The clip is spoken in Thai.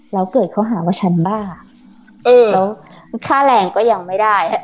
แล้วเกิดเขาหาว่าฉันบ้าแล้วค่าแรงก็ยังไม่ได้